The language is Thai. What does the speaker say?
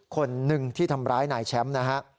คนนึงที่ทำร้ายนายแชมป์